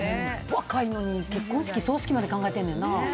若いのに結婚式、葬式まで考えてるねんな。